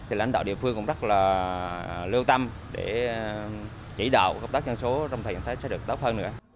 thì lãnh đạo địa phương cũng rất là lưu tâm để chỉ đạo công tác dân số trong thời gian tới sẽ được tốt hơn nữa